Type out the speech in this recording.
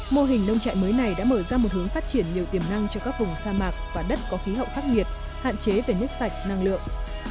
mô hình nông trại mới này đã mở ra một hướng phát triển nhiều tiềm năng cho các vùng sa mạc và đất có khí hậu khắc nghiệt hạn chế về nước sạch năng lượng